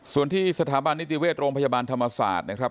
ส่วนที่สถาบันนิติเวชโรงพยาบาลธรรมศาสตร์นะครับ